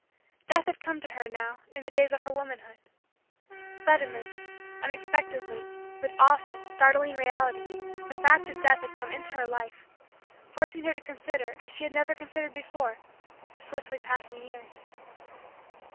Death had come to her, now, in the days of her womanhood. Suddenly, unexpectedly, with awful, startling, reality, the fact of Death had come into her life; forcing her to consider, as she had never considered before, the swiftly passing years.